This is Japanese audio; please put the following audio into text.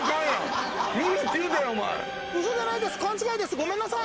ごめんなさい。